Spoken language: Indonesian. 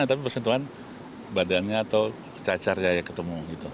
tapi bersentuhan badannya atau cacarnya yang ketemu